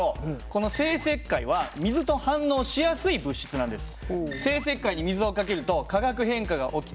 この生石灰は水と反応しやすい物質なんです。